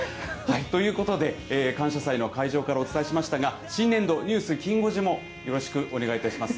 ということで、感謝祭の会場からお伝えしましたが、新年度、ニュースきん５時もよろしくお願いいたします。